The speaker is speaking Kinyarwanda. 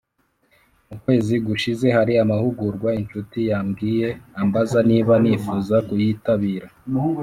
“mu kwezi gushize hari amahugurwa inshuti yambwiye ambaza niba nifuza kuyitabira.